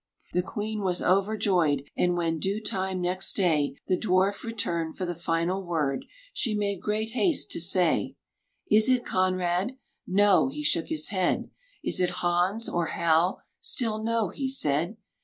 _" The queen was overjoyed, And when, due time next day, The dwarf returned for the final word, She made great haste to say: "Is it Conrade?" "No," he shook his head. "Is it Hans? or Hal?" Still "No," he said.